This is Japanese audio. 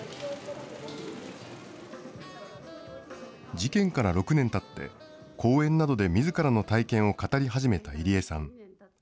事件から６年たって、講演などでみずからの体験を語り始めた入江さん。